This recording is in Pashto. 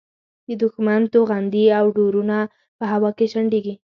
د دوښمن توغندي او ډرونونه په هوا کې شنډېږي.